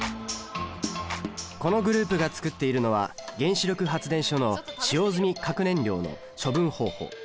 このグループが作っているのは原子力発電所の使用済み核燃料の処分方法